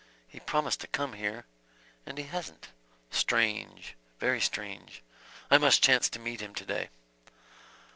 He promised to come here ... and he hasn't. ... Strange. Very strange .... I must chance to meet him to day."